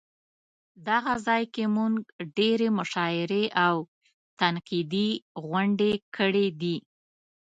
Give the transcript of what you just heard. دغه ځای کې مونږ ډېرې مشاعرې او تنقیدي غونډې کړې دي.